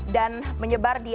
dan menyebar di